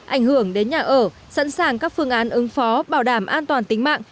ảnh hưởng đến nhà ở sẵn sàng các phương án ứng phó bảo đảm an toàn tính mạng